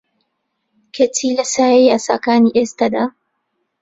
کەچی لە سایەی یاساکانی ئێستەدا